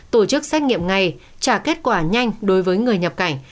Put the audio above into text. tổ chức xét nghiệm ngày trả kết quả nhanh đối với người nhập cảnh